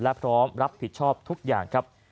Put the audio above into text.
และพร้อมรับผิดชอบทุกอย่างครับ